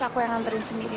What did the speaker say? aku yang nganterin sendiri